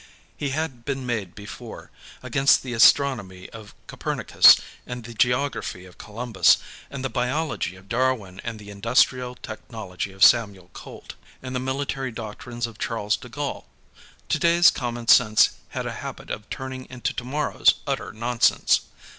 It had been made before: against the astronomy of Copernicus, and the geography of Columbus, and the biology of Darwin, and the industrial technology of Samuel Colt, and the military doctrines of Charles de Gaulle. Today's common sense had a habit of turning into tomorrow's utter nonsense.